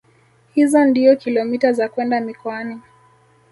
Hizo ndio kilomita za kwenda mikoani